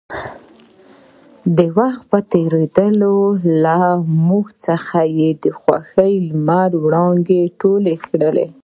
د وخـت پـه تېـرېدو لـه مـوږ څـخـه د خـوښـيو لمـر وړانـګې تـولې کـړې.